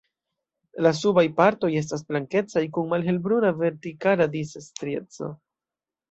La subaj partoj estas blankecaj kun malhelbruna vertikala disa strieco.